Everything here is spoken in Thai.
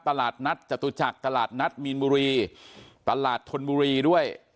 ตลาดนัดจตุจักรตลาดนัดมีนบุรีตลาดธนบุรีด้วย